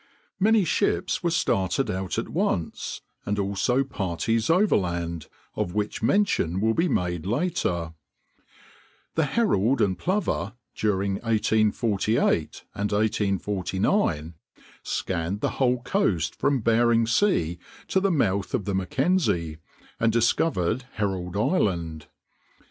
Many ships were started out at once, and also parties overland, of which mention will be made later. The Herald and Plover, during 1848 and 1849, scanned the whole coast from Bering Sea to the mouth of the Mackenzie, and discovered Herald Island.